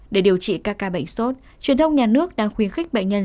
để điều trị các ca bệnh sốt truyền thông nhà nước đang khuyến khích bệnh nhân